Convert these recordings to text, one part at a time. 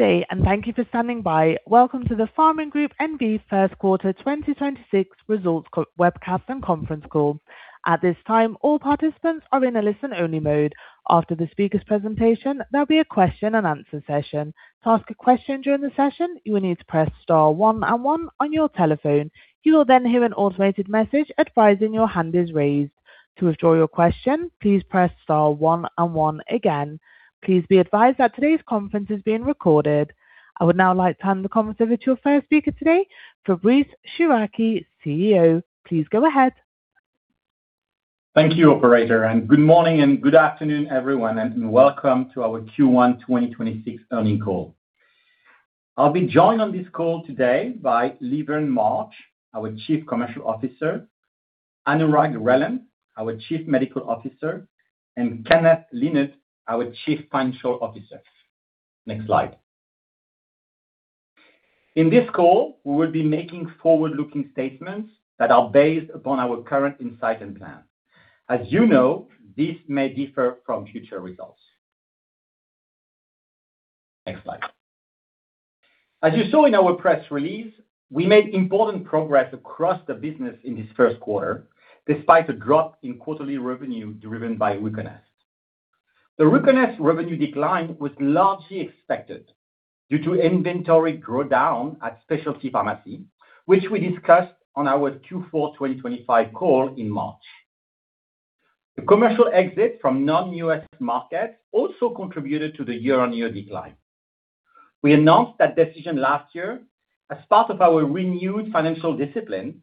Good day, and thank you for standing by. Welcome to the Pharming Group N.V. first quarter 2026 results webcast and conference call. At this time, all participants are in a listen-only mode. After the speaker's presentation, there'll be a question-and-answer session. To ask a question during the session, you will need to press star one and one on your telephone. You will hear an automated message advising your hand is raised. To withdraw your question, please press star one and one again. Please be advised that today's conference is being recorded. I would now like to hand the conference over to your first speaker today, Fabrice Chouraqui, CEO. Please go ahead. Thank you, operator, good morning and good afternoon, everyone, and welcome to our Q1 2026 earning call. I'll be joined on this call today by Leverne Marsh, our Chief Commercial Officer, Anurag Relan, our Chief Medical Officer, and Kenneth Lynard, our Chief Financial Officer. Next slide. In this call, we will be making forward-looking statements that are based upon our current insight and plan. As you know, this may differ from future results. Next slide. As you saw in our press release, we made important progress across the business in this first quarter, despite a drop in quarterly revenue driven by RUCONEST. The RUCONEST revenue decline was largely expected due to inventory drawdown at specialty pharmacy, which we discussed on our Q4 2025 call in March. The commercial exit from non-U.S. markets also contributed to the year-on-year decline. We announced that decision last year as part of our renewed financial discipline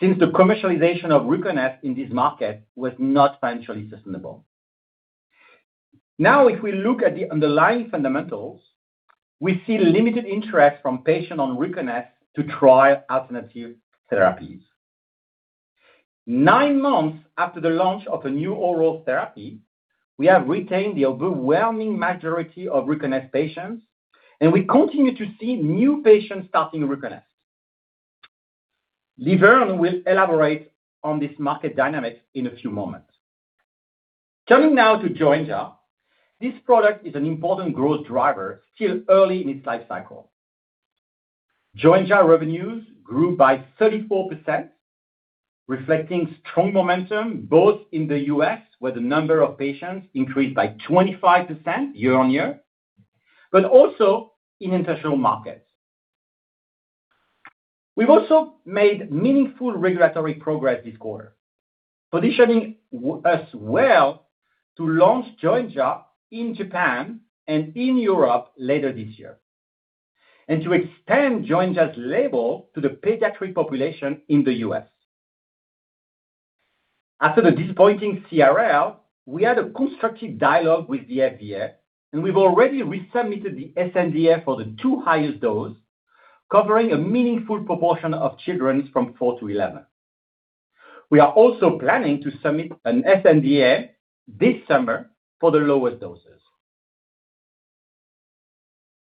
since the commercialization of RUCONEST in this market was not financially sustainable. Now, if we look at the underlying fundamentals, we see limited interest from patient on RUCONEST to try alternative therapies. Nine months after the launch of a new oral therapy, we have retained the overwhelming majority of RUCONEST patients, and we continue to see new patients starting RUCONEST. Leverne will elaborate on this market dynamic in a few moments. Coming now to Joenja. This product is an important growth driver, still early in its life cycle. Joenja revenues grew by 34%, reflecting strong momentum both in the U.S., where the number of patients increased by 25% year-on-year, but also in international markets. We've also made meaningful regulatory progress this quarter, positioning us well to launch Joenja in Japan and in Europe later this year. To extend Joenja's label to the pediatric population in the U.S. After the disappointing CRL, we had a constructive dialogue with the FDA, we've already resubmitted the sNDA for the two highest dose, covering a meaningful proportion of children from four to 11. We are also planning to submit an sNDA this summer for the lowest doses.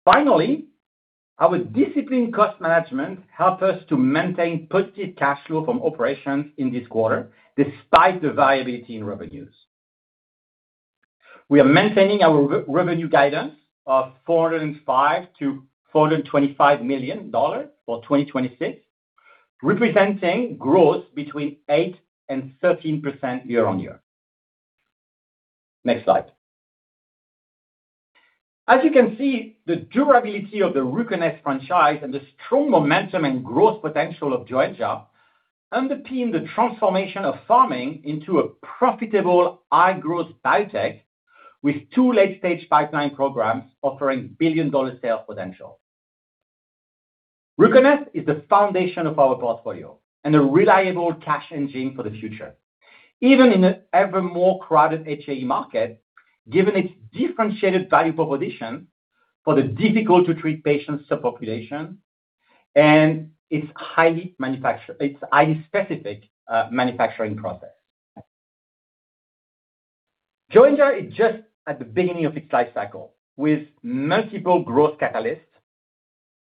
Finally, our disciplined cost management helped us to maintain positive cash flow from operations in this quarter, despite the variability in revenues. We are maintaining our revenue guidance of $405 million-$425 million for 2026, representing growth between 8%-13% year-on-year. Next slide. As you can see, the durability of the RUCONEST franchise and the strong momentum and growth potential of Joenja underpin the transformation of Pharming into a profitable high-growth biotech with two late-stage pipeline programs offering billion-dollar sales potential. RUCONEST is the foundation of our portfolio and a reliable cash engine for the future, even in the ever more crowded HAE market, given its differentiated value proposition for the difficult to treat patient subpopulation and its highly specific manufacturing process. Joenja is just at the beginning of its life cycle with multiple growth catalysts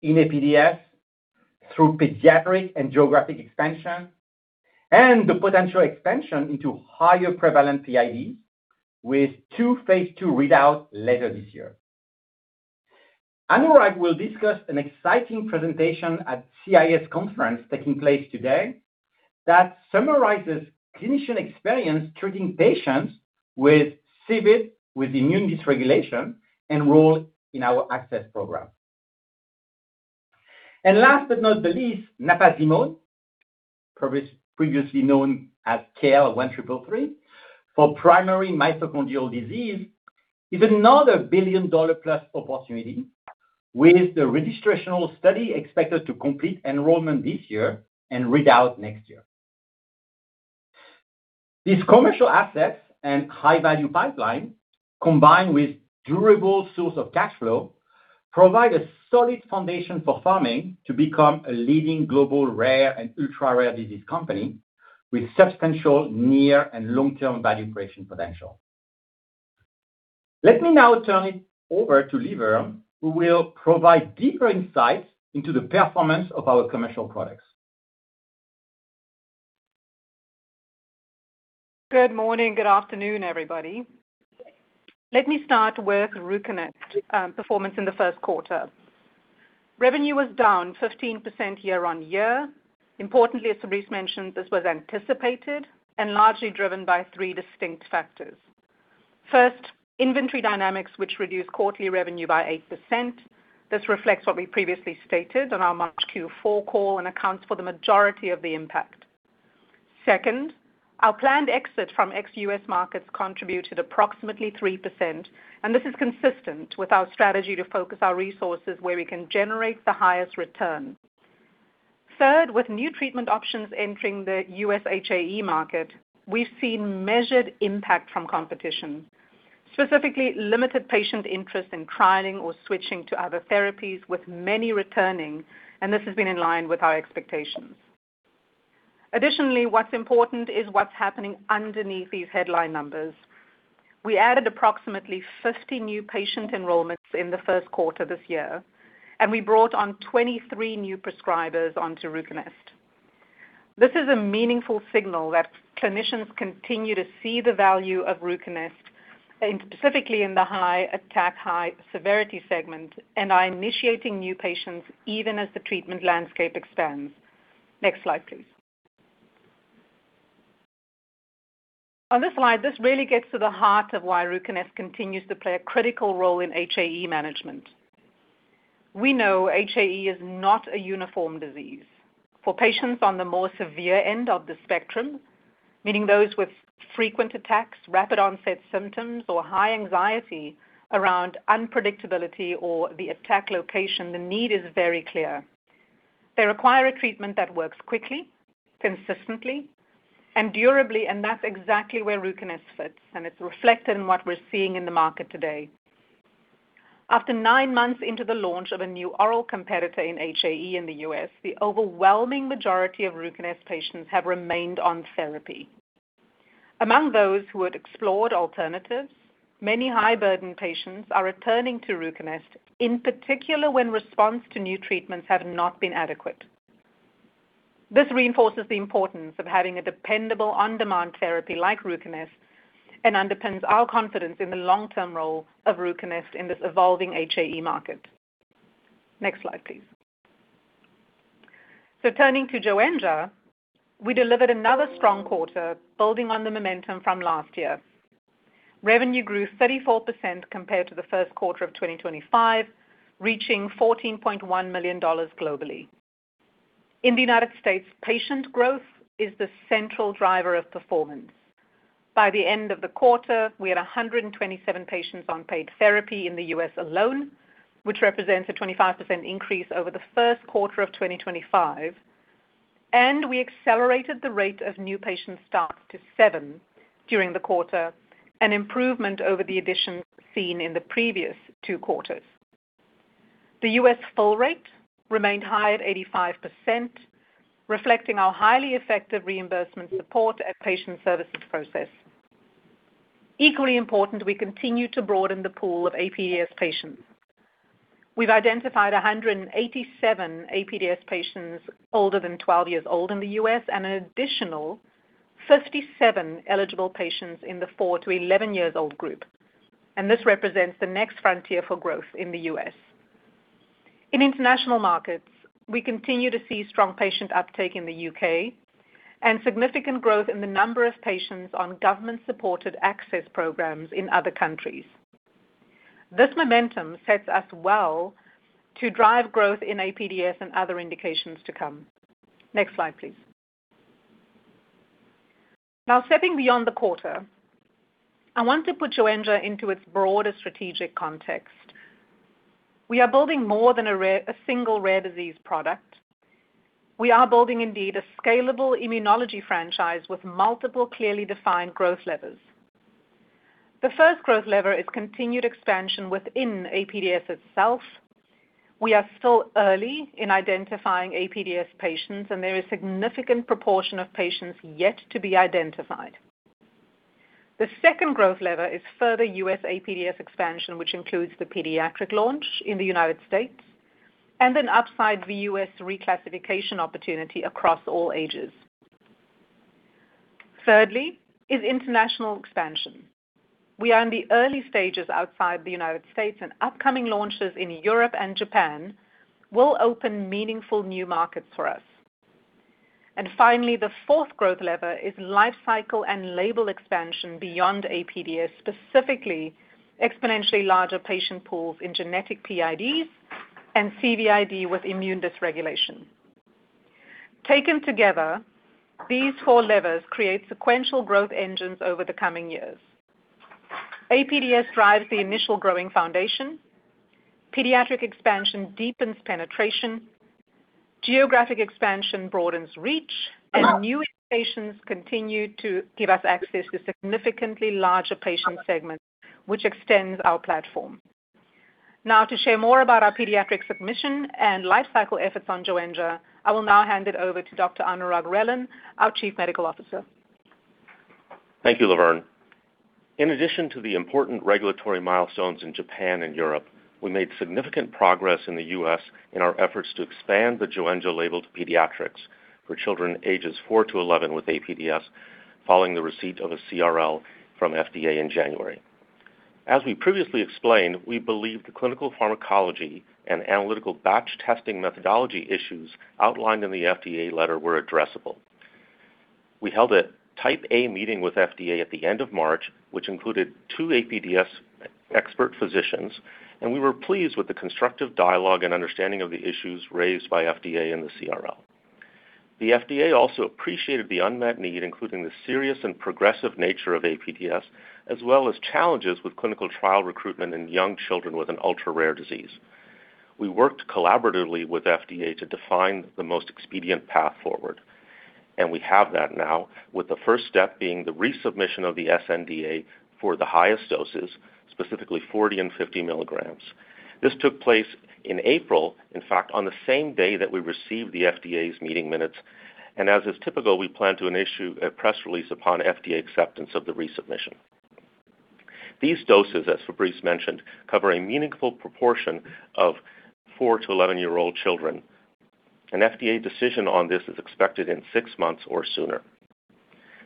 in APDS through pediatric and geographic expansion and the potential expansion into higher prevalent PIDs with two phase II readout later this year. Anurag will discuss an exciting presentation at CIS conference taking place today that summarizes clinician experience treating patients with CVID, with immune dysregulation enrolled in our access program. Last but not the least, napazimone, previously known as KL1333, for primary mitochondrial disease, is another billion-dollar-plus opportunity with the registrational study expected to complete enrollment this year and read out next year. These commercial assets and high-value pipeline, combined with durable source of cash flow, provide a solid foundation for Pharming to become a leading global rare and ultra-rare disease company with substantial near and long-term value creation potential. Let me now turn it over to Leverne, who will provide deeper insights into the performance of our commercial products. Good morning. Good afternoon, everybody. Let me start with RUCONEST performance in the first quarter. Revenue was down 15% year-on-year. Importantly, as Fabrice mentioned, this was anticipated and largely driven by three distinct factors. First, inventory dynamics, which reduced quarterly revenue by 8%. This reflects what we previously stated on our March Q4 call and accounts for the majority of the impact. Second, our planned exit from ex-U.S. markets contributed approximately 3%. This is consistent with our strategy to focus our resources where we can generate the highest return. Third, with new treatment options entering the U.S. HAE market, we've seen measured impact from competition, specifically limited patient interest in trialing or switching to other therapies, with many returning. This has been in line with our expectations. Additionally, what's important is what's happening underneath these headline numbers. We added approximately 50 new patient enrollments in the first quarter this year, and we brought on 23 new prescribers onto RUCONEST. This is a meaningful signal that clinicians continue to see the value of RUCONEST, in specifically in the high attack, high severity segment, and are initiating new patients even as the treatment landscape expands. Next slide, please. On this slide, this really gets to the heart of why RUCONEST continues to play a critical role in HAE management. We know HAE is not a uniform disease. For patients on the more severe end of the spectrum, meaning those with frequent attacks, rapid onset symptoms, or high anxiety around unpredictability or the attack location, the need is very clear. They require a treatment that works quickly, consistently, and durably, and that's exactly where RUCONEST fits, and it's reflected in what we're seeing in the market today. After nine months into the launch of a new oral competitor in HAE in the U.S., the overwhelming majority of RUCONEST patients have remained on therapy. Among those who had explored alternatives, many high-burden patients are returning to RUCONEST, in particular when response to new treatments have not been adequate. This reinforces the importance of having a dependable on-demand therapy like RUCONEST and underpins our confidence in the long-term role of RUCONEST in this evolving HAE market. Next slide, please. Turning to Joenja, we delivered another strong quarter building on the momentum from last year. Revenue grew 34% compared to the first quarter of 2025, reaching $14.1 million globally. In the United States, patient growth is the central driver of performance. By the end of the quarter, we had 127 patients on paid therapy in the U.S. alone, which represents a 25% increase over the first quarter of 2025. We accelerated the rate of new patient starts to seven during the quarter, an improvement over the additions seen in the previous two quarters. The U.S. fill rate remained high at 85%, reflecting our highly effective reimbursement support and patient services process. Equally important, we continue to broaden the pool of APDS patients. We've identified 187 APDS patients older than 12 years old in the U.S. and an additional 57 eligible patients in the four to 11 years old group, this represents the next frontier for growth in the U.S. In international markets, we continue to see strong patient uptake in the U.K. and significant growth in the number of patients on government-supported access programs in other countries. This momentum sets us well to drive growth in APDS and other indications to come. Next slide, please. Now, stepping beyond the quarter, I want to put Joenja into its broader strategic context. We are building more than a single rare disease product. We are building indeed a scalable immunology franchise with multiple clearly defined growth levers. The first growth lever is continued expansion within APDS itself. We are still early in identifying APDS patients, and there is significant proportion of patients yet to be identified. The second growth lever is further U.S. APDS expansion, which includes the pediatric launch in the United States and an upside U.S. reclassification opportunity across all ages. Thirdly is international expansion. We are in the early stages outside the United States, and upcoming launches in Europe and Japan will open meaningful new markets for us. Finally, the fourth growth lever is life cycle and label expansion beyond APDS, specifically exponentially larger patient pools in genetic PIDs and CVID with immune dysregulation. Taken together, these four levers create sequential growth engines over the coming years. APDS drives the initial growing foundation, pediatric expansion deepens penetration, geographic expansion broadens reach, and new indications continue to give us access to significantly larger patient segments, which extends our platform. Now to share more about our pediatric submission and life cycle efforts on Joenja, I will now hand it over to Dr. Anurag Relan, our Chief Medical Officer. Thank you, Leverne. In addition to the important regulatory milestones in Japan and Europe, we made significant progress in the U.S. in our efforts to expand the Joenja label to pediatrics for children ages four to 11 with APDS following the receipt of a CRL from FDA in January. As we previously explained, we believe the clinical pharmacology and analytical batch testing methodology issues outlined in the FDA letter were addressable. We held a Type A meeting with FDA at the end of March, which included two APDS expert physicians, and we were pleased with the constructive dialogue and understanding of the issues raised by FDA in the CRL. The FDA also appreciated the unmet need, including the serious and progressive nature of APDS, as well as challenges with clinical trial recruitment in young children with an ultra-rare disease. We worked collaboratively with FDA to define the most expedient path forward. We have that now, with the first step being the resubmission of the sNDA for the highest doses, specifically 40 and 50 mg. This took place in April, in fact, on the same day that we received the FDA's meeting minutes. As is typical, we plan to issue a press release upon FDA acceptance of the resubmission. These doses, as Fabrice mentioned, cover a meaningful proportion of four to 11-year-old children. An FDA decision on this is expected in six months or sooner.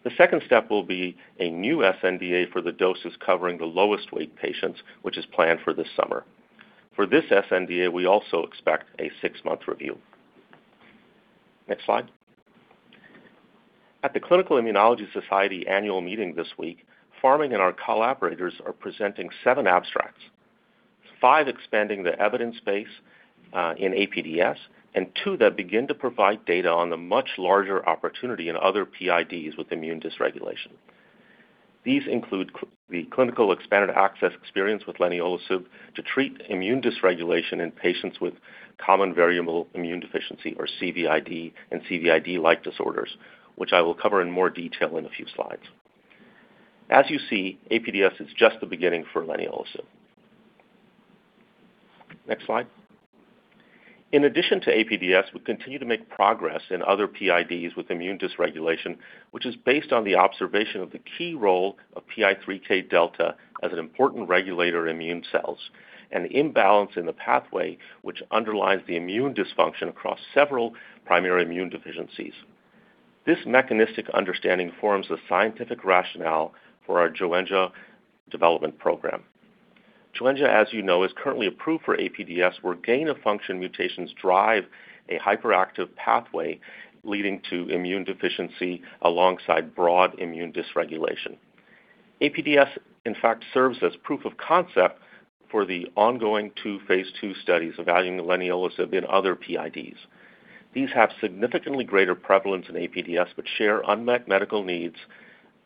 The second step will be a new sNDA for the doses covering the lowest weight patients, which is planned for this summer. For this sNDA, we also expect a six-month review. Next slide. At the Clinical Immunology Society annual meeting this week, Pharming and our collaborators are presenting seven abstracts, five expanding the evidence base in APDS, and two that begin to provide data on the much larger opportunity in other PIDs with immune dysregulation. These include the clinical expanded access experience with leniolisib to treat immune dysregulation in patients with common variable immune deficiency, or CVID, and CVID-like disorders, which I will cover in more detail in a few slides. As you see, APDS is just the beginning for leniolisib. Next slide. In addition to APDS, we continue to make progress in other PIDs with immune dysregulation, which is based on the observation of the key role of PI3K delta as an important regulator of immune cells, an imbalance in the pathway which underlies the immune dysfunction across several primary immune deficiencies. This mechanistic understanding forms the scientific rationale for our Joenja development program. Joenja, as you know, is currently approved for APDS, where gain-of-function mutations drive a hyperactive pathway leading to immune deficiency alongside broad immune dysregulation. APDS, in fact, serves as proof of concept for the ongoing two phase II studies evaluating leniolisib in other PIDs. These have significantly greater prevalence in APDS, but share unmet medical needs,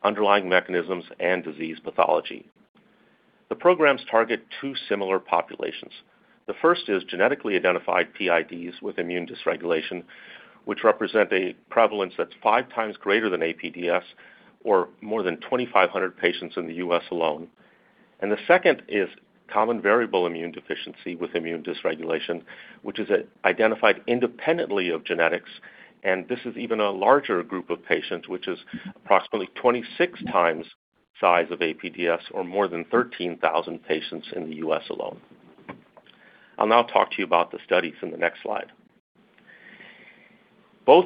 underlying mechanisms, and disease pathology. The programs target two similar populations. The first is genetically identified PIDs with immune dysregulation, which represent a prevalence that's five times greater than APDS or more than 2,500 patients in the U.S. alone. The second is Common Variable Immune Deficiency with immune dysregulation, which is identified independently of genetics, and this is even a larger group of patients, which is approximately 26 times the size of APDS or more than 13,000 patients in the U.S. alone. I'll now talk to you about the studies in the next slide. Both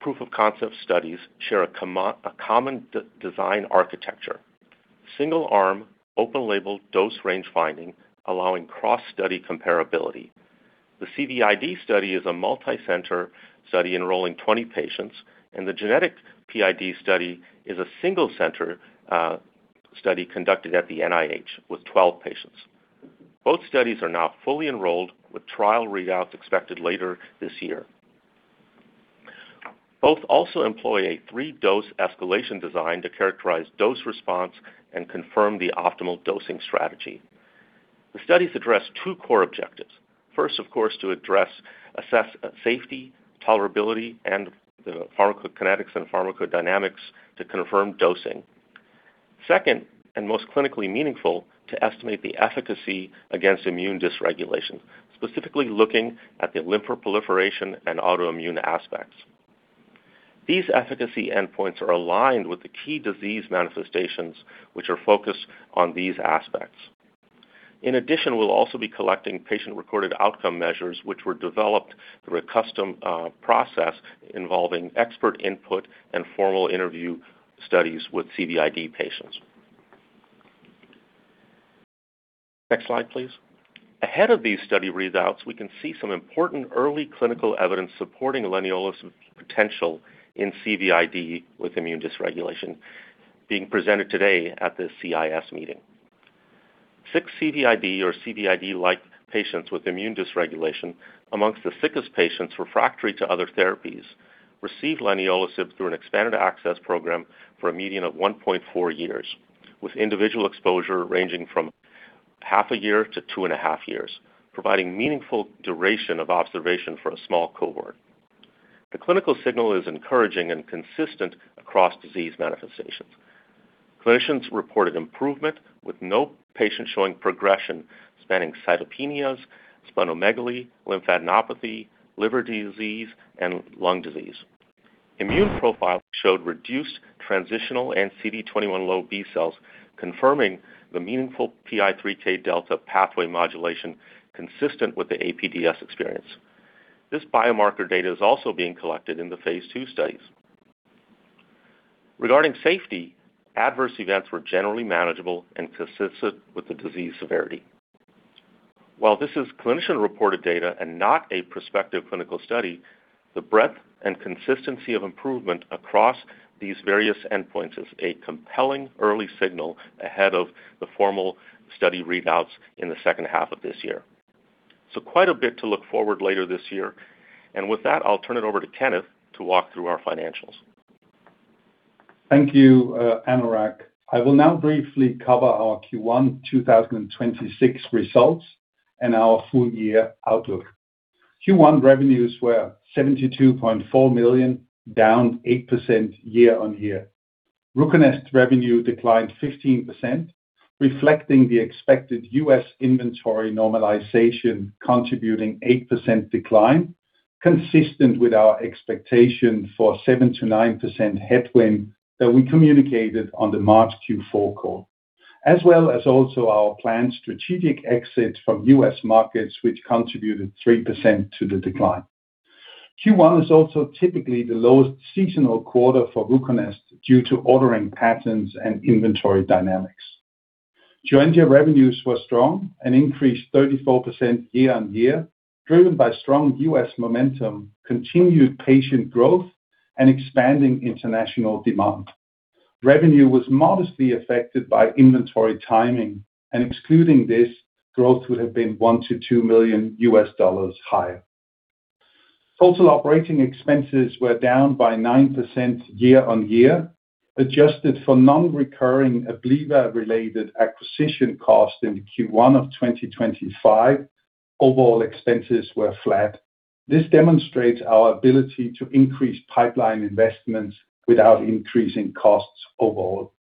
proof-of-concept studies share a common design architecture. Single-arm, open-label dose range finding allowing cross-study comparability. The CVID study is a multicenter study enrolling 20 patients, and the genetic PID study is a single center study conducted at the NIH with 12 patients. Both studies are now fully enrolled with trial readouts expected later this year. Both also employ a three-dose escalation design to characterize dose response and confirm the optimal dosing strategy. The studies address two core objectives. First, of course, to address safety, tolerability, and the pharmacokinetics and pharmacodynamics to confirm dosing. Second, and most clinically meaningful, to estimate the efficacy against immune dysregulation, specifically looking at the lymphoproliferation and autoimmune aspects. These efficacy endpoints are aligned with the key disease manifestations which are focused on these aspects. In addition, we'll also be collecting patient-recorded outcome measures which were developed through a custom process involving expert input and formal interview studies with CVID patients. Next slide, please. Ahead of these study readouts, we can see some important early clinical evidence supporting leniolisib's potential in CVID with immune dysregulation being presented today at the CIS meeting. Six CVID or CVID-like patients with immune dysregulation amongst the sickest patients refractory to other therapies received leniolisib through an expanded access program for a median of 1.4 years, with individual exposure ranging from half a year to two and a half years, providing meaningful duration of observation for a small cohort. The clinical signal is encouraging and consistent across disease manifestations. Clinicians reported improvement with no patient showing progression, spanning cytopenias, splenomegaly, lymphadenopathy, liver disease, and lung disease. Immune profile showed reduced transitional and CD21 low B cells, confirming the meaningful PI3K delta pathway modulation consistent with the APDS experience. This biomarker data is also being collected in the phase II studies. Regarding safety, adverse events were generally manageable and consistent with the disease severity. While this is clinician-reported data and not a prospective clinical study, the breadth and consistency of improvement across these various endpoints is a compelling early signal ahead of the formal study readouts in the second half of this year. Quite a bit to look forward later this year. With that, I'll turn it over to Kenneth to walk through our financials. Thank you, Anurag. I will now briefly cover our Q1 2026 results and our full year outlook. Q1 revenues were 72.4 million, down 8% year-on-year. RUCONEST revenue declined 15%, reflecting the expected U.S. inventory normalization contributing 8% decline, consistent with our expectation for 7%-9% headwind that we communicated on the March Q4 call, as well as also our planned strategic exit from U.S. markets, which contributed 3% to the decline. Q1 is also typically the lowest seasonal quarter for RUCONEST due to ordering patterns and inventory dynamics. Joenja revenues were strong and increased 34% year-on-year, driven by strong U.S. momentum, continued patient growth, and expanding international demand. Revenue was modestly affected by inventory timing, and excluding this, growth would have been $1 million-$2 million higher. Total operating expenses were down by 9% year-on-year. Adjusted for non-recurring Abliva-related acquisition costs in Q1 2025, overall expenses were flat. This demonstrates our ability to increase pipeline investments without increasing costs overall.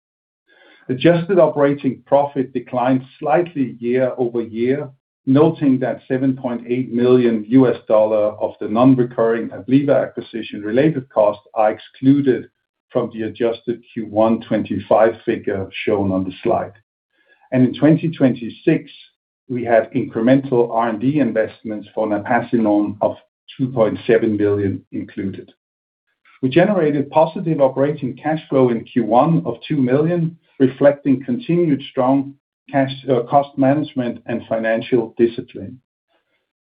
Adjusted operating profit declined slightly year-over-year, noting that $7.8 million of the non-recurring Abliva acquisition-related costs are excluded from the adjusted Q1 2025 figure shown on the slide. In 2026, we have incremental R&D investments for napazimone of 2.7 million included. We generated positive operating cash flow in Q1 of 2 million, reflecting continued strong cash, cost management and financial discipline.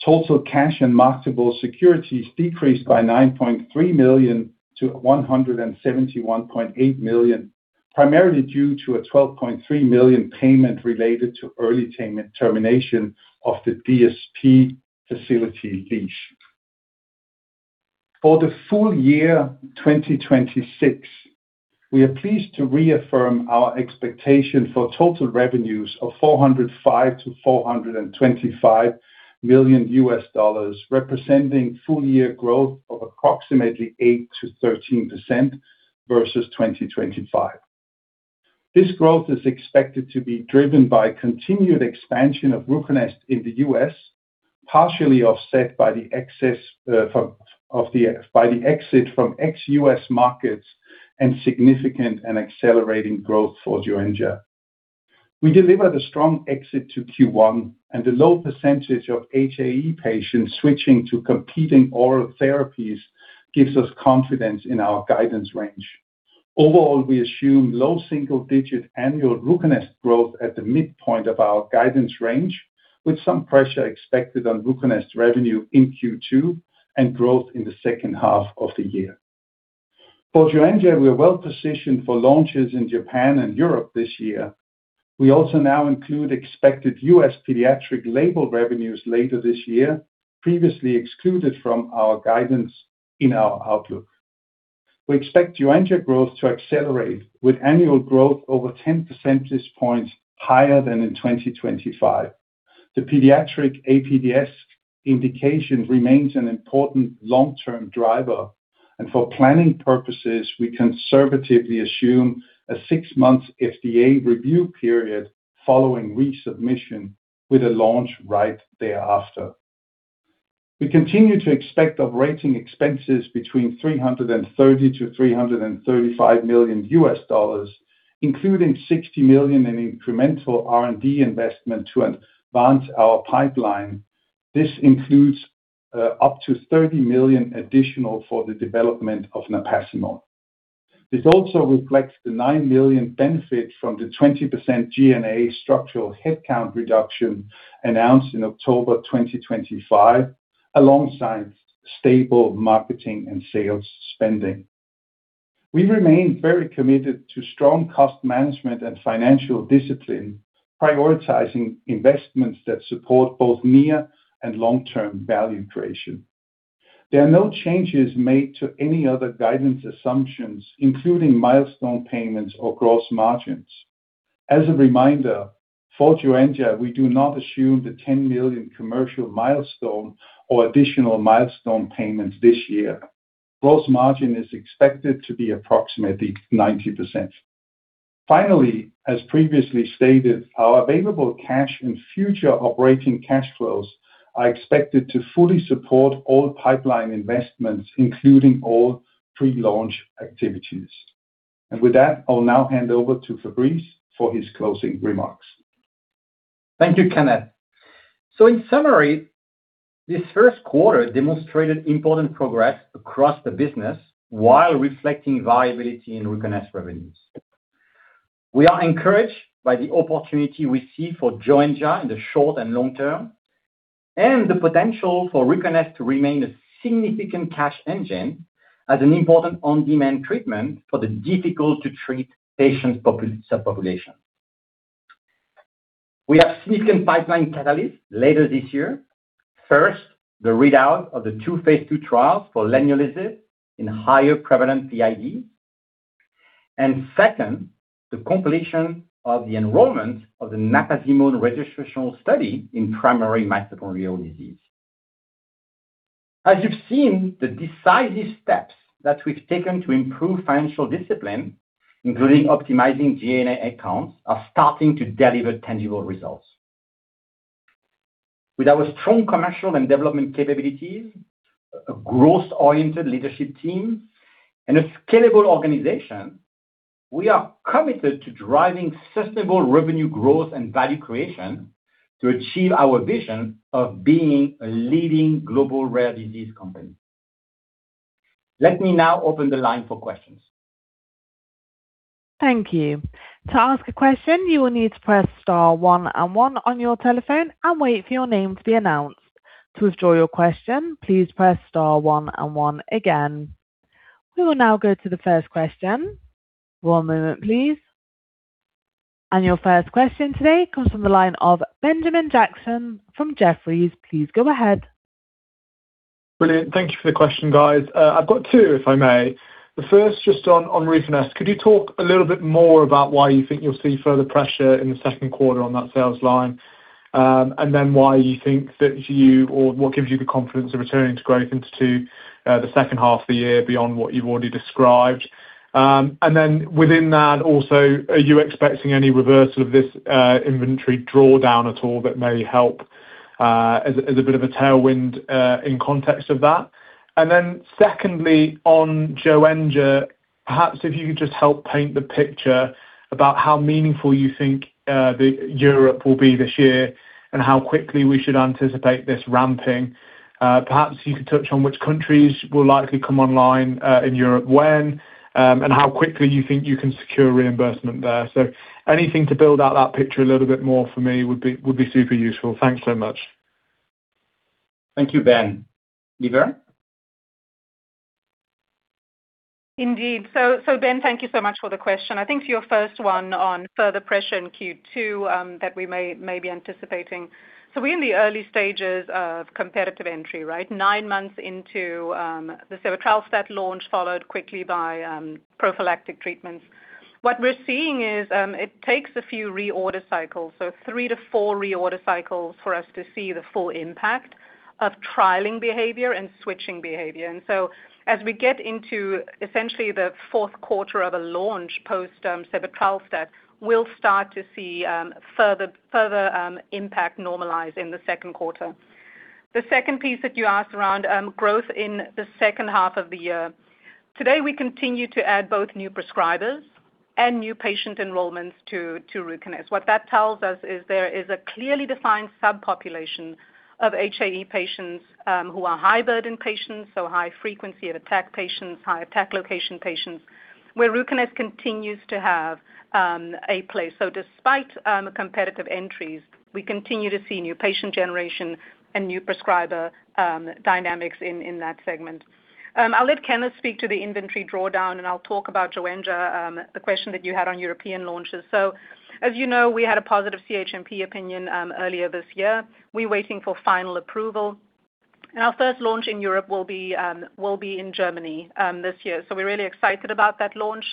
Total cash and marketable securities decreased by 9.3 million to 171.8 million, primarily due to a 12.3 million payment related to early term-termination of the DSP facility lease. For the full year 2026, we are pleased to reaffirm our expectation for total revenues of $405 million-$425 million, representing full year growth of approximately 8%-13% versus 2025. This growth is expected to be driven by continued expansion of RUCONEST in the U.S., partially offset by the exit from ex-U.S. markets and significant and accelerating growth for Joenja. We delivered a strong exit to Q1, and the low % of HAE patients switching to competing oral therapies gives us confidence in our guidance range. Overall, we assume low single-digit annual RUCONEST growth at the midpoint of our guidance range, with some pressure expected on RUCONEST revenue in Q2 and growth in the second half of the year. For Joenja, we are well-positioned for launches in Japan and Europe this year. We also now include expected U.S. pediatric label revenues later this year, previously excluded from our guidance in our outlook. We expect Joenja growth to accelerate, with annual growth over 10 percentage points higher than in 2025. The pediatric APDS indication remains an important long-term driver, and for planning purposes, we conservatively assume a six-month FDA review period following resubmission with a launch right thereafter. We continue to expect operating expenses between $330 million-$335 million, including $60 million in incremental R&D investment to advance our pipeline. This includes up to $30 million additional for the development of napazimone. This also reflects the $9 million benefit from the 20% G&A structural headcount reduction announced in October 2025, alongside stable marketing and sales spending. We remain very committed to strong cost management and financial discipline, prioritizing investments that support both near and long-term value creation. There are no changes made to any other guidance assumptions, including milestone payments or gross margins. As a reminder, for Joenja, we do not assume the 10 million commercial milestone or additional milestone payments this year. Gross margin is expected to be approximately 90%. Finally, as previously stated, our available cash and future operating cash flows are expected to fully support all pipeline investments, including all pre-launch activities. With that, I'll now hand over to Fabrice for his closing remarks. Thank you, Kenneth. In summary, this first quarter demonstrated important progress across the business while reflecting viability in RUCONEST revenues. We are encouraged by the opportunity we see for Joenja in the short and long term, and the potential for RUCONEST to remain a significant cash engine as an important on-demand treatment for the difficult-to-treat patient subpopulation. We have significant pipeline catalysts later this year. First, the readout of the two phase II trials for leniolisib in higher prevalent PIDs. Second, the completion of the enrollment of the napazimone registrational study in primary mitochondrial disease. As you've seen, the decisive steps that we've taken to improve financial discipline, including optimizing G&A accounts, are starting to deliver tangible results. With our strong commercial and development capabilities, a growth-oriented leadership team, and a scalable organization, we are committed to driving sustainable revenue growth and value creation to achieve our vision of being a leading global rare disease company. Let me now open the line for questions. Thank you. To ask a question you will need to press star one and one on your telephone and wait for your name to be announced. To withdraw your question, please press star one and one again. We will now go to the first question. One moment, please. Your first question today comes from the line of Benjamin Jackson from Jefferies. Please go ahead. Brilliant. Thank you for the question, guys. I've got two, if I may. The first, just on RUCONEST. Could you talk a little bit more about why you think you'll see further pressure in the second quarter on that sales line? Then why you think that you or what gives you the confidence of returning to growth into the second half of the year beyond what you've already described? Then within that also, are you expecting any reversal of this inventory drawdown at all that may help as a bit of a tailwind in context of that? Then secondly, on Joenja, perhaps if you could just help paint the picture about how meaningful you think the Europe will be this year and how quickly we should anticipate this ramping. Perhaps you could touch on which countries will likely come online in Europe when and how quickly you think you can secure reimbursement there. Anything to build out that picture a little bit more for me would be, would be super useful. Thanks so much. Thank you, Ben. Leverne? Indeed. Ben, thank you so much for the question. I think your first one on further pressure in Q2 that we may be anticipating. We're in the early stages of competitive entry, right? 9 months into the sebetralstat launch, followed quickly by prophylactic treatments. What we're seeing is it takes a few reorder cycles, so three to four reorder cycles for us to see the full impact of trialing behavior and switching behavior. As we get into essentially the fourth quarter of a launch post sebetralstat, we'll start to see further impact normalize in the second quarter. The second piece that you asked around growth in the second half of the year. Today, we continue to add both new prescribers and new patient enrollments to RUCONEST. What that tells us is there is a clearly defined subpopulation of HAE patients, who are high burden patients, so high frequency of attack patients, high attack location patients, where RUCONEST continues to have a place. Despite competitive entries, we continue to see new patient generation and new prescriber dynamics in that segment. I'll let Kenneth speak to the inventory drawdown, and I'll talk about Joenja, the question that you had on European launches. As you know, we had a positive CHMP opinion earlier this year. We're waiting for final approval. Our first launch in Europe will be in Germany this year. We're really excited about that launch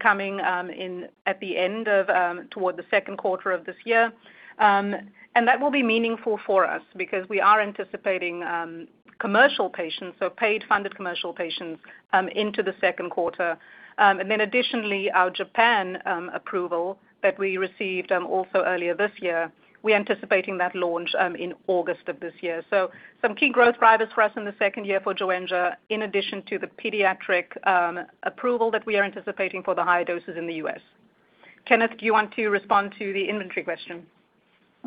coming in at the end of toward the second quarter of this year. That will be meaningful for us because we are anticipating commercial patients, so paid funded commercial patients, into the second quarter. Additionally, our Japan approval that we received also earlier this year, we're anticipating that launch in August of this year. Some key growth drivers for us in the second year for Joenja, in addition to the pediatric approval that we are anticipating for the higher doses in the U.S. Kenneth, do you want to respond to the inventory question?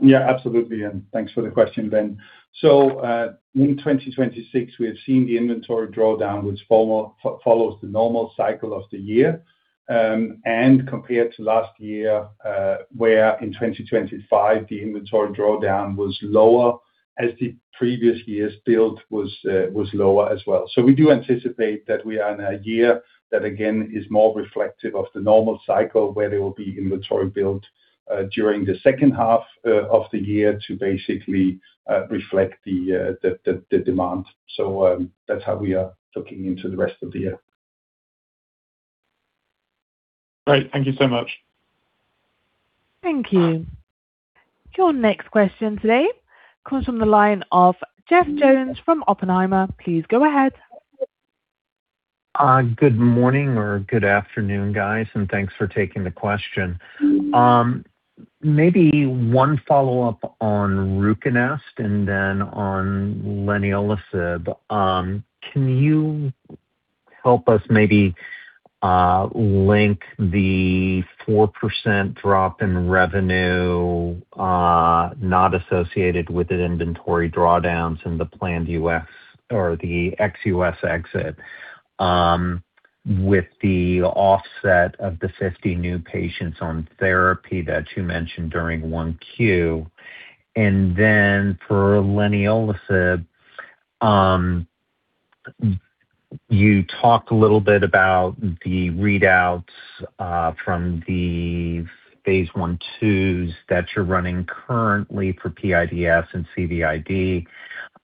Yeah, absolutely. Thanks for the question, Ben. In 2026, we have seen the inventory drawdown, which follows the normal cycle of the year. Compared to last year, where in 2025, the inventory drawdown was lower as the previous year's build was lower as well. We do anticipate that we are in a year that again is more reflective of the normal cycle, where there will be inventory build during the second half of the year to basically reflect the demand. That's how we are looking into the rest of the year. Great. Thank you so much. Thank you. Your next question today comes from the line of Jeff Jones from Oppenheimer. Please go ahead. Good morning or good afternoon, guys, and thanks for taking the question. Maybe one follow-up on RUCONEST and then on leniolisib. Can you help us maybe link the 4% drop in revenue not associated with the inventory drawdowns in the planned U.S. or the ex-U.S. exit with the offset of the 50 new patients on therapy that you mentioned during 1Q? For leniolisib, you talked a little bit about the readouts from the phase I/IIs that you're running currently for PIDS and CVID.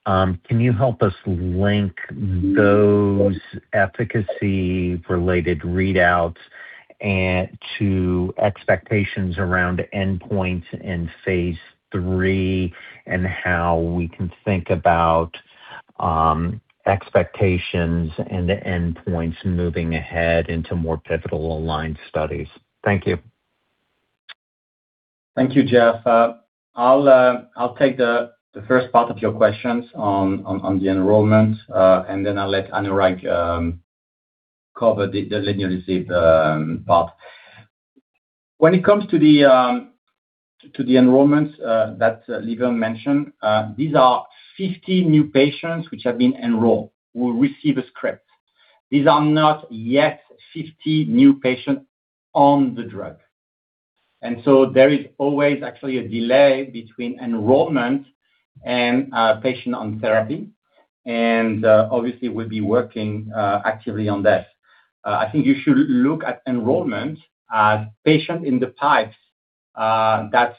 Can you help us link those efficacy-related readouts to expectations around endpoints in phase III and how we can think about expectations and endpoints moving ahead into more pivotal aligned studies? Thank you. Thank you, Jeff. I'll take the first part of your questions on the enrollment. Then I'll let Anurag cover the leniolisib part. When it comes to the enrollments that Leverne mentioned, these are 50 new patients which have been enrolled, will receive a script. These are not yet 50 new patients on the drug. There is always actually a delay between enrollment and a patient on therapy. Obviously, we'll be working actively on that. I think you should look at enrollment as patient in the pipes that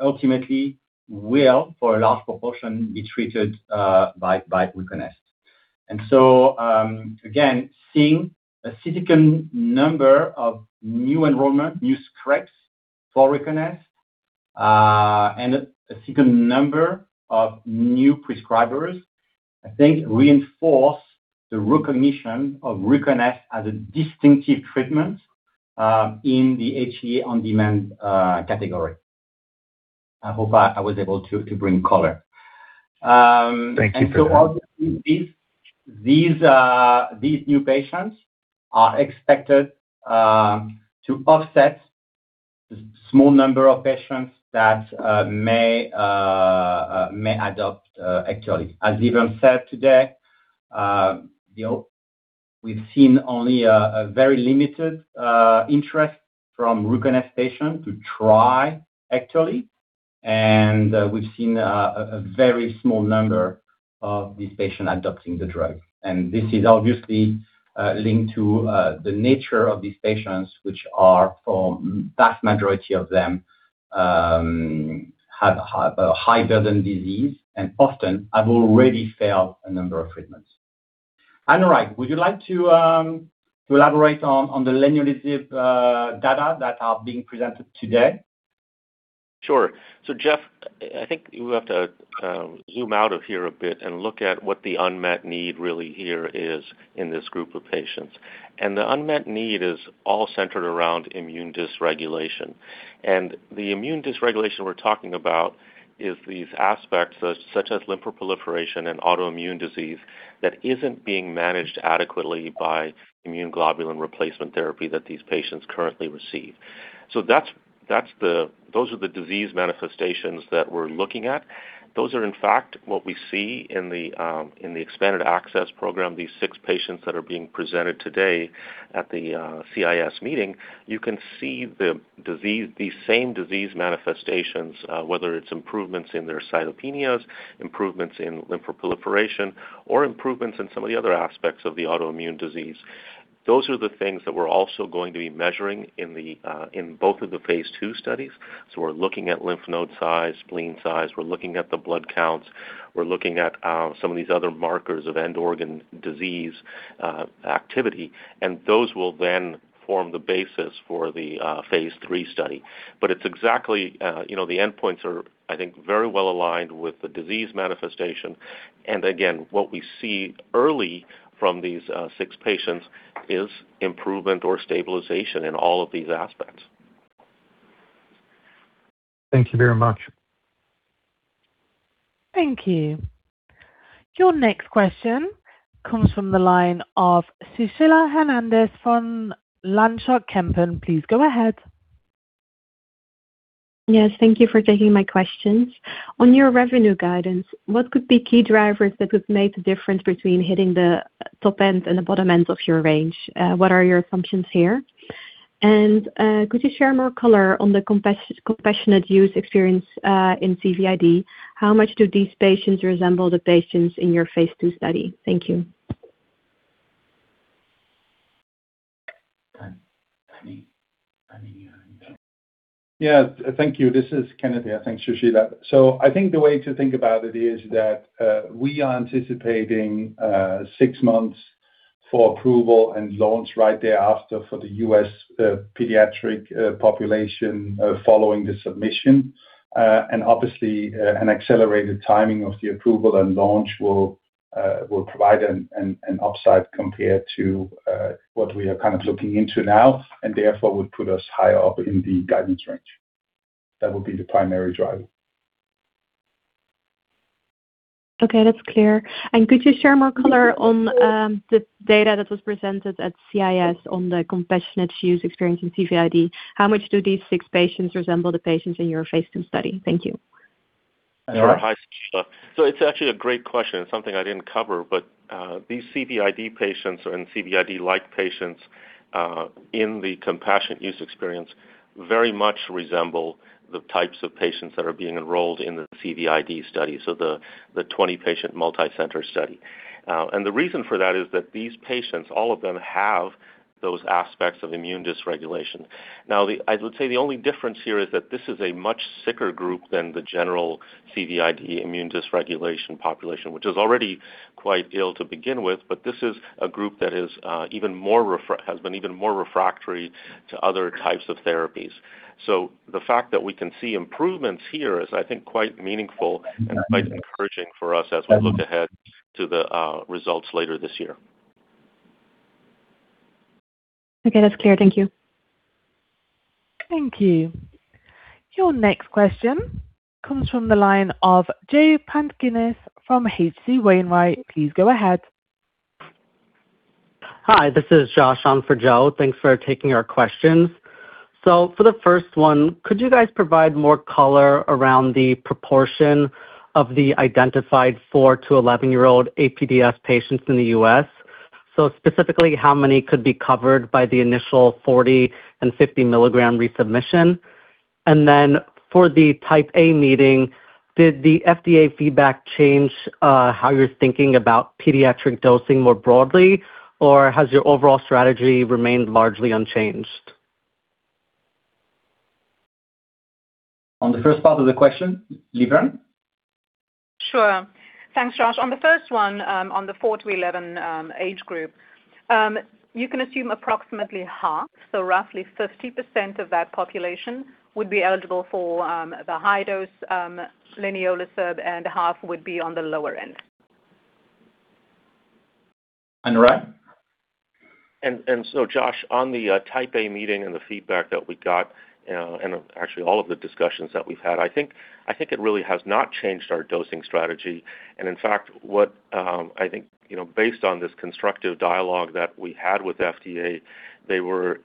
ultimately will, for a large proportion, be treated by RUCONEST. Again, seeing a significant number of new enrollment, new scripts for RUCONEST, and a significant number of new prescribers, I think reinforce the recognition of RUCONEST as a distinctive treatment, in the HAE on-demand, category. I hope I was able to bring color. Thank you for that. All these new patients are expected to offset the small number of patients that may adopt, actually. As Leverne said today, you know, we've seen only a very limited interest from RUCONEST patients to try actually, and we've seen a very small number of these patients adopting the drug. This is obviously linked to the nature of these patients, which are for vast majority of them, have a high burden disease and often have already failed a number of treatments. Anurag, would you like to elaborate on the leniolisib data that are being presented today? Sure. Jeff, I think we have to zoom out of here a bit and look at what the unmet need really here is in this group of patients. The unmet need is all centered around immune dysregulation. The immune dysregulation we're talking about is these aspects such as lymphoproliferation and autoimmune disease that isn't being managed adequately by immune globulin replacement therapy that these patients currently receive. Those are the disease manifestations that we're looking at. Those are, in fact, what we see in the expanded access program. These six patients that are being presented today at the CIS meeting, you can see these same disease manifestations, whether it's improvements in their cytopenias, improvements in lymphoproliferation, or improvements in some of the other aspects of the autoimmune disease. Those are the things that we're also going to be measuring in both of the phase II studies. We're looking at lymph node size, spleen size. We're looking at the blood counts. We're looking at some of these other markers of end organ disease activity. Those will then form the basis for the phase III study. It's exactly, you know, the endpoints are, I think, very well aligned with the disease manifestation. Again, what we see early from these six patients is improvement or stabilization in all of these aspects. Thank you very much. Thank you. Your next question comes from the line of Sushila Hernandez, Van Lanschot Kempen. Please go ahead. Yes. Thank you for taking my questions. On your revenue guidance, what could be key drivers that could make the difference between hitting the top end and the bottom end of your range? What are your assumptions here? Could you share more color on the compassionate use experience in CVID? How much do these patients resemble the patients in your phase II study? Thank you. Kenneth Lynard. Yeah. Thank you. This is Kenneth. Thanks, Sushila. I think the way to think about it is that we are anticipating 6 months For approval and launch right thereafter for the U.S. pediatric population following the submission. Obviously, an accelerated timing of the approval and launch will provide an upside compared to what we are kind of looking into now and therefore would put us higher up in the guidance range. That would be the primary driver. Okay, that's clear. Could you share more color on the data that was presented at CIS on the compassionate use experience in CVID? How much do these six patients resemble the patients in your phase II study? Thank you. Sure. Hi, Sushila. It's actually a great question and something I didn't cover. These CVID patients and CVID-like patients in the compassionate use experience very much resemble the types of patients that are being enrolled in the CVID study, so the 20-patient multicenter study. The reason for that is that these patients, all of them have those aspects of immune dysregulation. Now, I would say the only difference here is that this is a much sicker group than the general CVID immune dysregulation population, which is already quite ill to begin with, but this is a group that has been even more refractory to other types of therapies. The fact that we can see improvements here is, I think, quite meaningful and quite encouraging for us as we look ahead to the results later this year. Okay. That's clear. Thank you. Thank you. Your next question comes from the line of Joseph Pantginis from H.C. Wainwright. Please go ahead. Hi, this is Josh on for Joe. Thanks for taking our questions. For the first one, could you guys provide more color around the proportion of the identified four to 11-year-old APDS patients in the U.S.? Specifically, how many could be covered by the initial 40 and 50-mgm resubmission? For the Type A meeting, did the FDA feedback change how you're thinking about pediatric dosing more broadly, or has your overall strategy remained largely unchanged? On the first part of the question, Leverne. Sure. Thanks, Josh. On the first one, on the four to 11 age group, you can assume approximately half, so roughly 50% of that population would be eligible for the high dose leniolisib, and half would be on the lower end. Anurag? Josh, on the Type A meeting and the feedback that we got, and actually all of the discussions that we've had, I think it really has not changed our dosing strategy. In fact, what I think, you know, based on this constructive dialogue that we had with FDA, they were,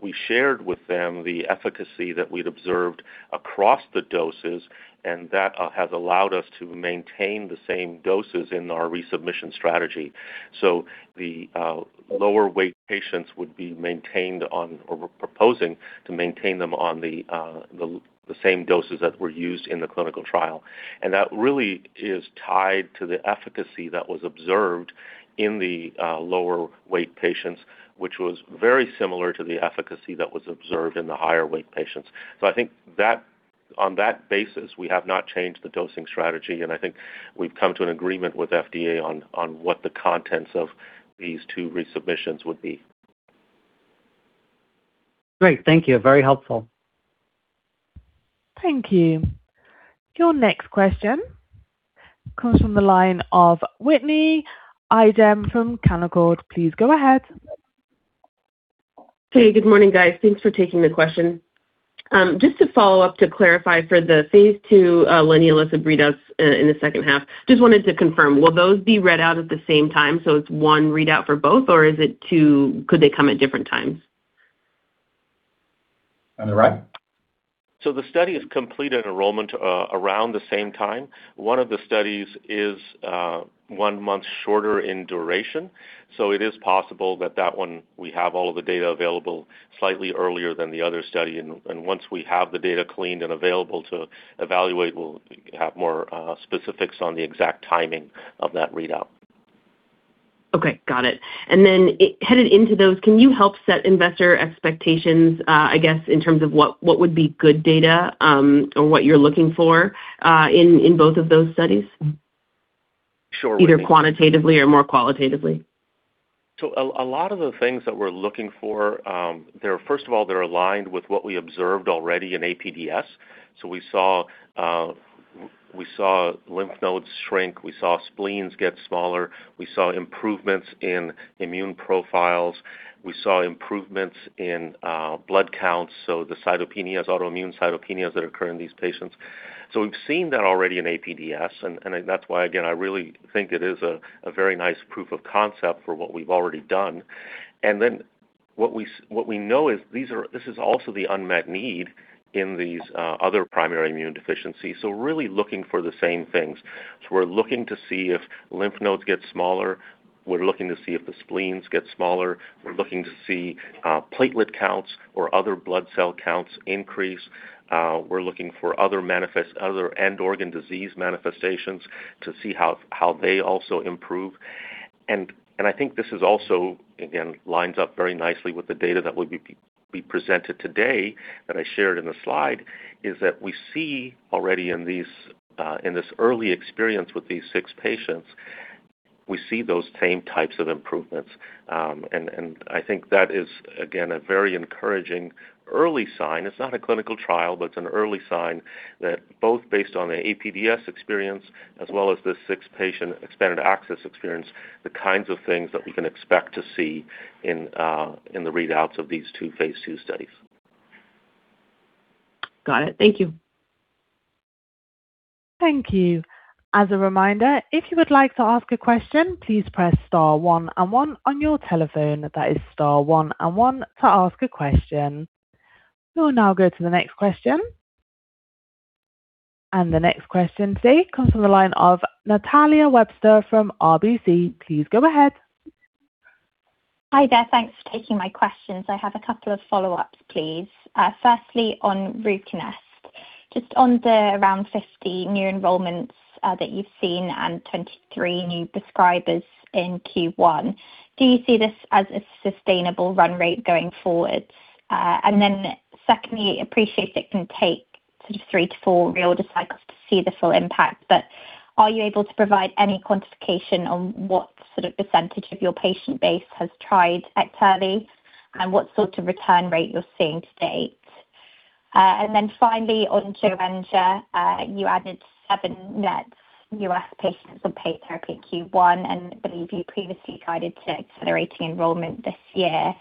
we shared with them the efficacy that we'd observed across the doses, and that has allowed us to maintain the same doses in our resubmission strategy. The lower weight patients would be maintained on or we're proposing to maintain them on the same doses that were used in the clinical trial. That really is tied to the efficacy that was observed in the lower weight patients, which was very similar to the efficacy that was observed in the higher weight patients. I think on that basis, we have not changed the dosing strategy, and I think we've come to an agreement with FDA on what the contents of these two resubmissions would be. Great. Thank you. Very helpful. Thank you. Your next question comes from the line of Whitney Ijem from Canaccord. Please go ahead. Hey, good morning, guys. Thanks for taking the question. Just to follow up to clarify for the phase II leniolisib readouts in the second half, just wanted to confirm, will those be read out at the same time, so it is one readout for both, or is it two? Could they come at different times? Anurag? The study is completed enrollment around the same time. One of the studies is one month shorter in duration, so it is possible that that one we have all of the data available slightly earlier than the other study. And once we have the data cleaned and available to evaluate, we'll have more specifics on the exact timing of that readout. Okay. Got it. Headed into those, can you help set investor expectations, I guess, in terms of what would be good data, or what you're looking for, in both of those studies? Sure, Whitney. Either quantitatively or more qualitatively. A lot of the things that we're looking for, first of all, they're aligned with what we observed already in APDS. We saw lymph nodes shrink. We saw spleens get smaller. We saw improvements in immune profiles. We saw improvements in blood counts, so the cytopenias, autoimmune cytopenias that occur in these patients. We've seen that already in APDS. That's why, again, I really think it is a very nice proof of concept for what we've already done. What we know is this is also the unmet need in these other primary immune deficiencies, so really looking for the same things. We're looking to see if lymph nodes get smaller. We're looking to see if the spleens get smaller. We're looking to see platelet counts or other blood cell counts increase. We're looking for other end organ disease manifestations to see how they also improve. I think this is also, again, lines up very nicely with the data. We presented today that I shared in the slide is that we see already in these in this early experience with these six patients, we see those same types of improvements. I think that is again a very encouraging early sign. It's not a clinical trial, but it's an early sign that both based on the APDS experience as well as this six-patient expanded access experience, the kinds of things that we can expect to see in the readouts of these two phase II studies. Got it. Thank you. Thank you. As a reminder, if you would like to ask a question, please press star one and one on your telephone. That is star one and one to ask a question. We'll now go to the next question. The next question today comes from the line of Natalia Webster from RBC. Please go ahead. Hi there. Thanks for taking my questions. I have a couple of follow-ups, please. Firstly, on RUCONEST, just on the around 50 new enrollments that you've seen and 23 new prescribers in Q1, do you see this as a sustainable run rate going forward? Secondly, appreciate it can take sort of three to four reorder cycles to see the full impact. Are you able to provide any quantification on what sort of percentage of your patient base has tried EKTERLY and what sort of return rate you're seeing to date? Finally on Joenja, you added seven net U.S. patients on paid therapy in Q1 and believe you previously guided to accelerating enrollment this year.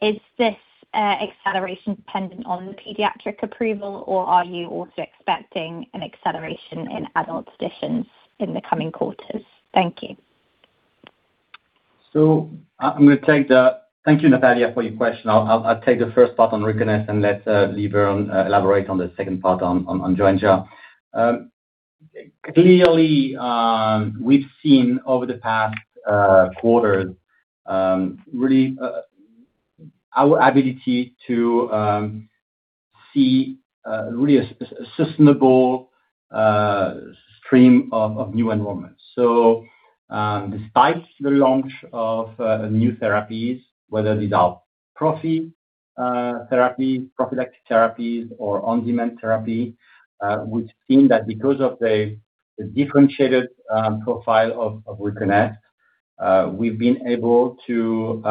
Is this acceleration dependent on the pediatric approval, or are you also expecting an acceleration in adult patients in the coming quarters? Thank you. Thank you, Natalia, for your question. I'll take the first part on RUCONEST and let Leverne elaborate on the second part on Joenja. Clearly, we've seen over the past quarter really our ability to see a sustainable stream of new enrollments. Despite the launch of new therapies, whether these are prophylactic therapies or on-demand therapy, we've seen that because of the differentiated profile of RUCONEST, we've been able to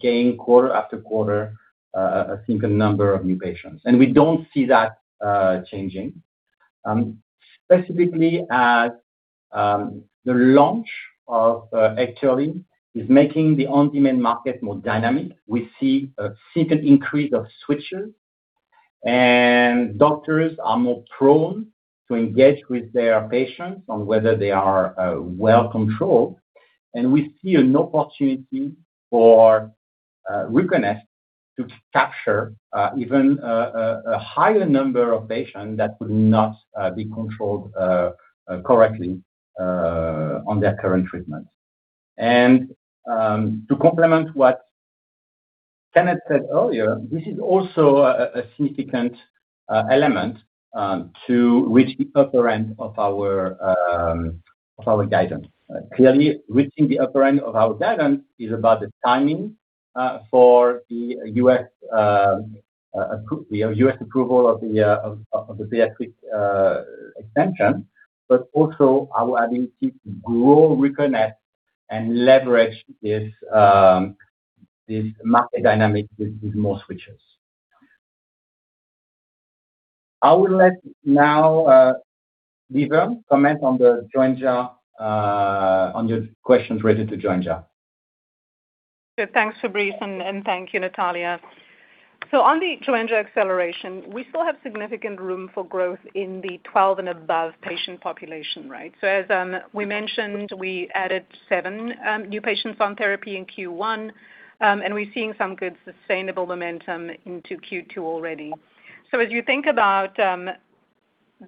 gain quarter after quarter a significant number of new patients. We don't see that changing. Specifically as the launch of EKTERLY is making the on-demand market more dynamic. We see a significant increase of switchers, and doctors are more prone to engage with their patients on whether they are well controlled. We see an opportunity for RUCONEST to capture a higher number of patients that would not be controlled correctly on their current treatment. To complement what Kenneth said earlier, this is also a significant element to reach the upper end of our guidance. Clearly, reaching the upper end of our guidance is about the timing for the U.S. approval of the pediatric extension, but also our ability to grow RUCONEST and leverage this market dynamic with more switchers. I will let now, Leverne comment on the Joenja, on your questions related to Joenja. Thanks, Fabrice, and thank you, Natalia. On the Joenja acceleration, we still have significant room for growth in the 12 and above patient population, right? As we mentioned, we added seven new patients on therapy in Q1, and we're seeing some good sustainable momentum into Q2 already. As you think about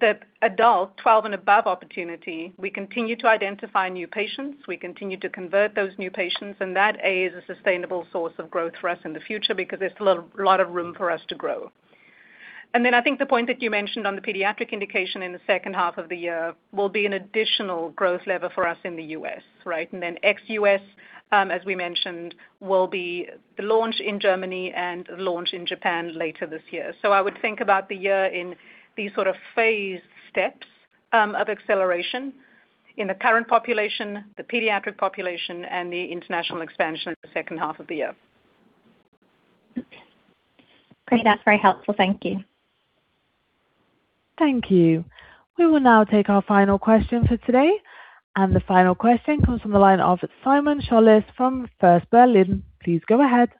the adult 12 and above opportunity, we continue to identify new patients. We continue to convert those new patients, and that is a sustainable source of growth for us in the future because there's a lot of room for us to grow. I think the point that you mentioned on the pediatric indication in the second half of the year will be an additional growth lever for us in the U.S., right? Ex-U.S., as we mentioned, will be the launch in Germany and launch in Japan later this year. I would think about the year in these sort of phased steps of acceleration in the current population, the pediatric population, and the international expansion in the second half of the year. Great. That is very helpful. Thank you. Thank you. The final question comes from the line of Simon Scholes from First Berlin. Please go ahead.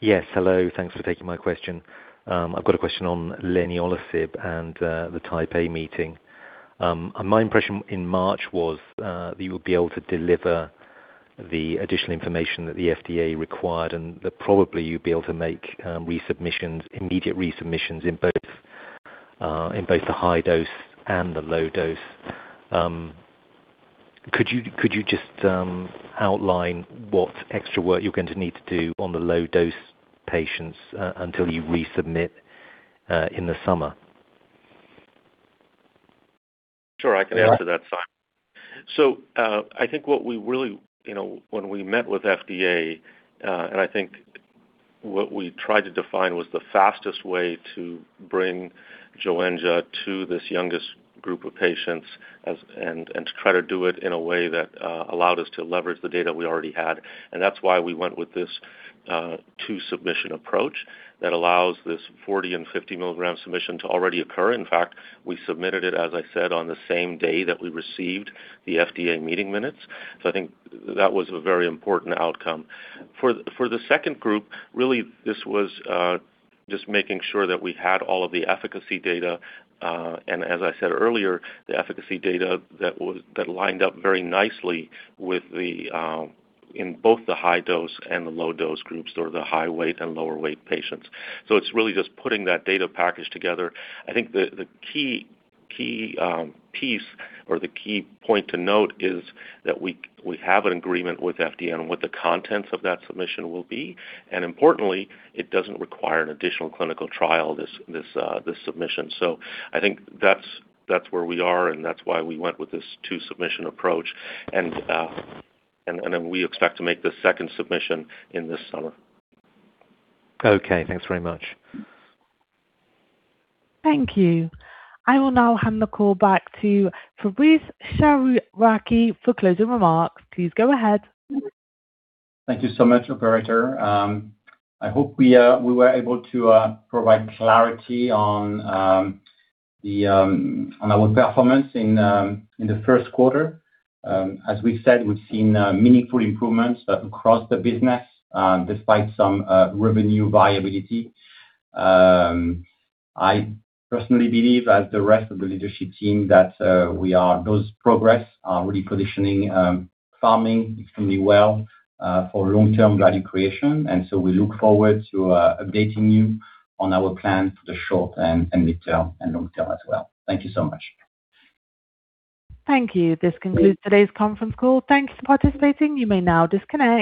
Yes. Hello. Thanks for taking my question. I've got a question on leniolisib and the Type A meeting. My impression in March was that you would be able to deliver the additional information that the FDA required and that probably you'd be able to make resubmissions, immediate resubmissions in both the high dose and the low dose. Could you just outline what extra work you're going to need to do on the low dose patients until you resubmit in the summer? Sure, I can answer that, Simon. I think what we really, you know, when we met with FDA, and I think what we tried to define was the fastest way to bring Joenja to this youngest group of patients as and, to try to do it in a way that allowed us to leverage the data we already had. That's why we went with this two-submission approach that allows this 40 and 50 mg submission to already occur. We submitted it, as I said, on the same day that we received the FDA meeting minutes. I think that was a very important outcome. For the second group, really, this was just making sure that we had all of the efficacy data, and as I said earlier, the efficacy data that lined up very nicely with the in both the high-dose and the low-dose groups or the high-weight and lower weight patients. It's really just putting that data package together. I think the key piece or the key point to note is that we have an agreement with FDA on what the contents of that submission will be. Importantly, it doesn't require an additional clinical trial, this submission. I think that's where we are, and that's why we went with this two-submission approach. Then we expect to make the second submission in this summer. Okay, thanks very much. Thank you. I will now hand the call back to Fabrice Chouraqui for closing remarks. Please go ahead. Thank you so much, operator. I hope we were able to provide clarity on the on our performance in the first quarter. As we said, we've seen meaningful improvements across the business, despite some revenue viability. I personally believe as the rest of the leadership team that we are those progress are really positioning Pharming Group extremely well for long-term value creation. We look forward to updating you on our plan for the short and midterm and long-term as well. Thank you so much. Thank you. This concludes today's conference call. Thank you for participating. You may now disconnect.